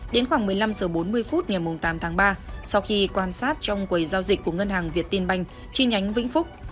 đến khoảng một mươi năm h bốn mươi phút ngày tám tháng ba sau khi quan sát trong quầy giao dịch của ngân hàng việt tiên banh chi nhánh vĩnh phúc